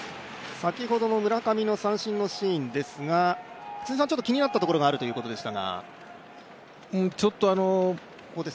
先ほどの村上の三振のシーンですが辻さん、気になったところがあるということでしたが？